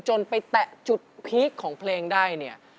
จนไปแตะจุดพีคของเพลงได้